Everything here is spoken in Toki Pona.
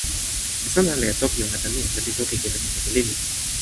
mi sona ala e toki ona tan ni: ona li toki kepeken tenpo lili.